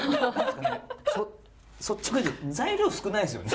率直に言うと材料少ないですよね。